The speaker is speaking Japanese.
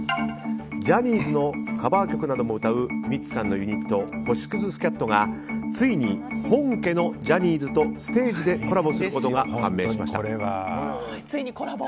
ジャニーズのカバー曲なども歌うミッツさんのユニット星屑スキャットがついに、本家のジャニーズとステージでコラボすることがついにコラボ？